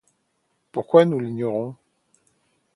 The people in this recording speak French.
Pourquoi ? nous l’ignorons.